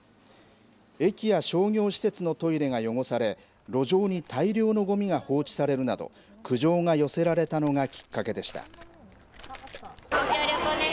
駅や商業施設のトイレが汚され路上に大量のごみが放置されるなど苦情が寄せられたのがきっかけでした。